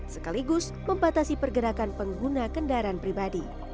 sekaligus membatasi pergerakan pengguna kendaraan pribadi